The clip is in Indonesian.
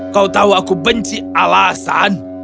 kau tahu aku benci alasan